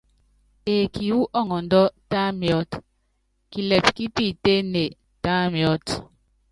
Eeki wú ɔŋɔndɔ́, ta miɔ́t, kilɛp kí piitéénée, tá miɔ́t.